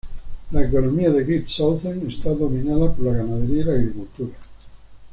La economía de Great Southern está dominada por la ganadería y la agricultura.